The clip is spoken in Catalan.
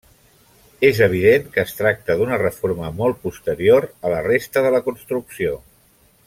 És evident que es tracta d'una reforma molt posterior a la resta de la construcció.